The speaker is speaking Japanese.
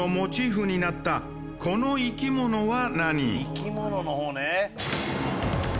生き物の方ね。